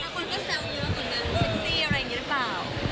คุณก็แซวเยอะกว่านั้นเซ็กซี่อะไรอย่างนี้หรือเปล่า